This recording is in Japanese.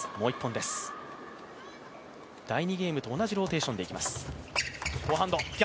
第２ゲームと同じローテーションでいきます。